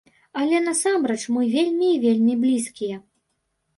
Але насамрэч мы вельмі і вельмі блізкія.